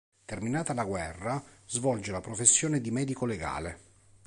Terminata la guerra, svolge la professione di medico legale.